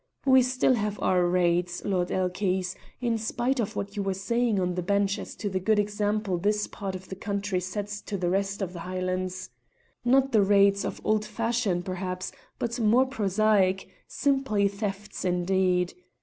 We still have our raids, Lord Elchies, in spite of what you were saying on the bench as to the good example this part of the country sets the rest of the Highlands not the raids of old fashion, perhaps, but more prosaic, simply thefts indeed.